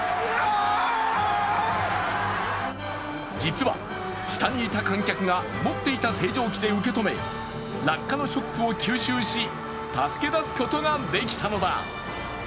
実は、下にいた観客が持っていた星条旗で受け止め落下のショックを吸収し、助け出すことができたのだ。